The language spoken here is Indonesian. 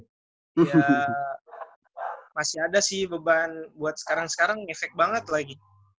ya masih ada sih beban buat sekarang sekarang ngefek banget lagi